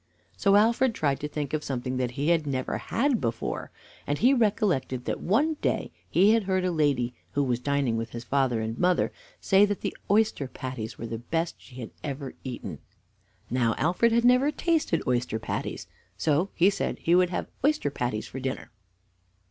So Alfred tried to think of something that he had never had before, and he recollected that one day he had heard a lady, who was dining with his father and mother, say that the oyster patties were the best she had ever eaten. Now Alfred had never tasted oyster patties, so he said he would have oyster patties for dinner.